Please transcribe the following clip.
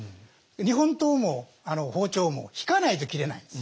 日本刀も包丁もひかないと切れないんです。